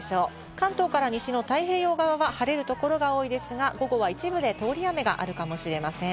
関東から西の太平洋側は晴れるところが多いですが、午後は一部で通り雨があるかもしれません。